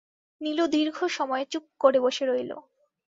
নীলু দীর্ঘ সময় চুপ কুরে বসে রইল।